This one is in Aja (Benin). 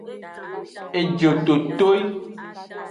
Ejototoi.